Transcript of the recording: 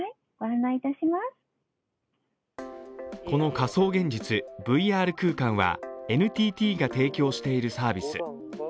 この仮想現実＝ＶＲ空間はＮＴＴが提供しているサービス。